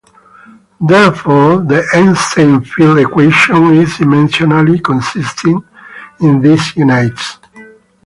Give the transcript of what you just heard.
Therefore the Einstein field equation is dimensionally consistent in these units.